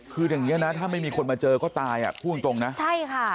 คืออย่างเงี้นะถ้าไม่มีคนมาเจอก็ตายอ่ะพูดตรงนะใช่ค่ะ